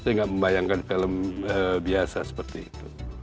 saya nggak membayangkan film biasa seperti itu